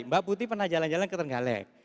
mbak putih pernah jalan jalan ke trenggalek